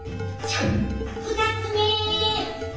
２つ目。